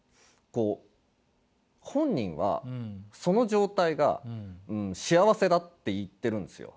こう本人はその状態が幸せだって言ってるんですよ。